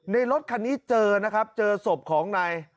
รถคันนี้เจอนะครับเจอศพของนาย